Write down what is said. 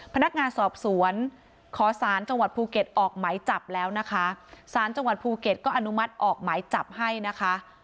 พนักงานสอบสวนขอสารจังหวัดภูเก็ตออกหมายจับแล้วนะคะสารจังหวัดภูเก็ตก็อนุมัติออกหมายจับให้นะคะ